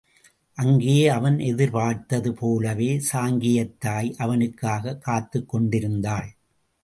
அங்கே அவன் எதிர்பார்த்தது போலவே சாங்கியத் தாய் அவனுக்காகக் காத்துக் கொண்டிருந்தாள்.